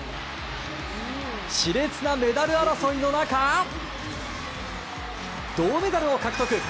熾烈なメダル争いの中銅メダルを獲得。